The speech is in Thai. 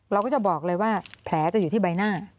เราก็จะบอกเลยว่าแผลจะอยู่ที่ใบหน้า